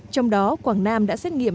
trong đó quảng nam đã xét nghiệm